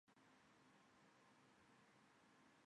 这支远征队是从瓦尔帕莱索出发的。